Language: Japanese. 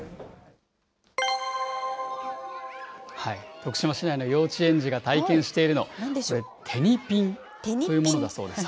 徳島市内の幼稚園児が体験しているのは、これ、テニピンというものだそうです。